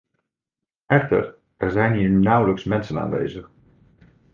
Echter, er zijn hier nauwelijks mensen aanwezig.